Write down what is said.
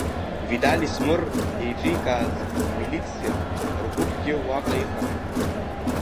Витали Смыр еиҿикааз амилициаа ргәыԥгьы уаҟа иҟан.